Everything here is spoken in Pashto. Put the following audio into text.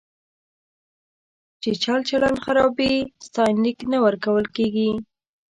چې چلچلن خراب وي، ستاینلیک نه ورکول کېږي.